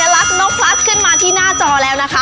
อร่อยมาก